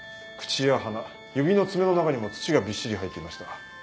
口や鼻指の爪の中にも土がびっしり入っていました。